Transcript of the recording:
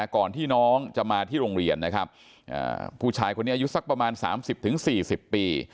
ก่อนที่น้องจะมาที่โรงเรียนนะครับผู้ชายคนนี้อายุสักประมาณ๓๐๔๐ปี